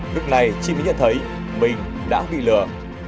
lúc này chị mới nhận thấy mình đã bị lừa